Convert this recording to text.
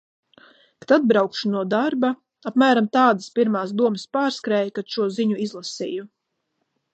Kad atbraukšu no darba... apmēram tādas pirmās domas pārskrēja, kad šo ziņu izlasīju...